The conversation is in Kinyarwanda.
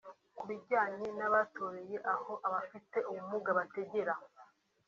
Ku bijyanye n’abatoreye aho abafite ubumuga batagera